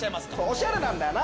おしゃれなんだよ